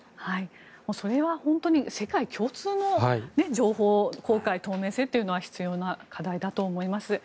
それは本当に世界共通の情報公開、透明性というのは必要な課題だと思います。